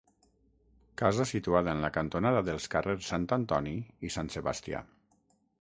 Casa situada en la cantonada dels carrers Sant Antoni i Sant Sebastià.